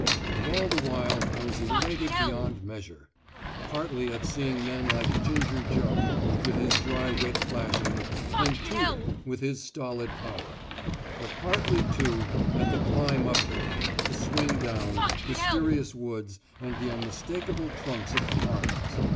And all the while I was elated beyond measure; partly at seeing men like Ginger Joe, with his dry wit flashing, and Tudor, with his stolid power; but partly, too, at the climb uphill, the swing down, mysterious woods, and the unmistakable trunks of pines.